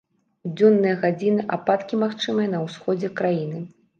У дзённыя гадзіны ападкі магчымыя на ўсходзе краіны.